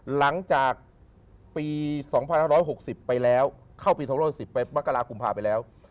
หลังจากปี๒๕๖๐ไปแล้วเข้าปี๒๖๐ไปมกรากุมภาไปแล้ว